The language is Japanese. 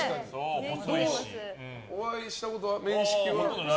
お会いしたこと、面識は？